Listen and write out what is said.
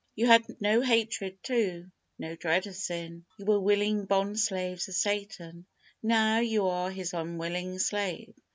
You had no hatred to, no dread of sin. You were willing bondslaves of Satan. Now, you are his unwilling slave.